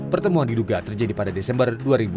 pertemuan diduga terjadi pada desember dua ribu dua puluh